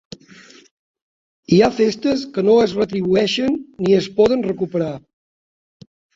Hi ha festes que no es retribueixen ni es poden recuperar.